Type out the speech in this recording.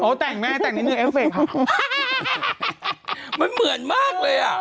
โอ้โฮเยี่ยมมาก